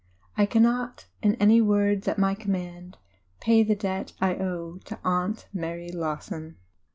I cannot, in any words at my command, pay the debt I owe to Aunt Mary Lawson.